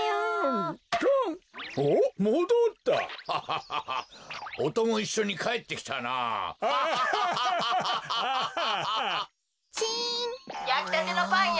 やきたてのパンよ。